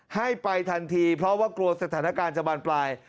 ให้ไปทันทีเพราะว่ากลัวสถานการณ์จะบานปลาย